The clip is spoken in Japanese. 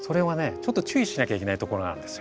ちょっと注意しなきゃいけないところがあるんですよ。